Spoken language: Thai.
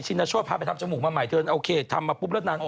ชินท้าชั่วป้าไปทำจมูกมาใหม่เธอน่ะโอเคทำมาปุ้บเลิศนาน